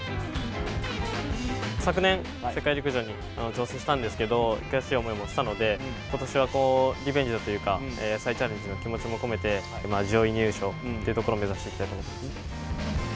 昨年、世界陸上に挑戦したんですけど、悔しい思いもしたので、今年はリベンジだというか、再チャレンジの気持ちも込めて上位入賞というところを目指していきたいと思います。